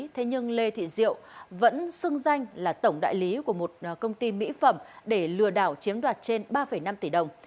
thế nhưng lê thị diệu vẫn xưng danh là tổng đại lý của một công ty mỹ phẩm để lừa đảo chiếm đoạt trên ba năm tỷ đồng